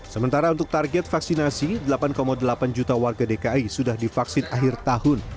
sementara untuk target vaksinasi delapan delapan juta warga dki sudah divaksin akhir tahun